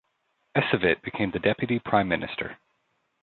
Ecevit became the deputy prime minister.